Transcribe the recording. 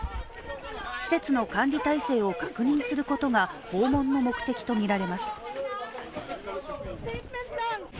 施設の管理体制を確認することが訪問の目的とみられます。